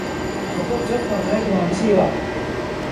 そこちょっとライトまぶしいわ